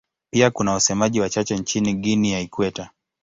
Pia kuna wasemaji wachache nchini Guinea ya Ikweta.